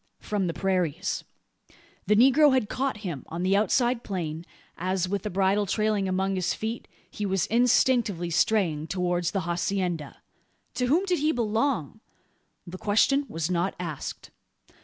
From the prairies. The negro had caught him, on the outside plain, as, with the bridle trailing among his feet, he was instinctively straying towards the hacienda. To whom did he belong? The question was not asked.